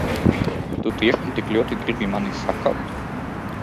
Tu tiešām tik ļoti gribi mani sakaut?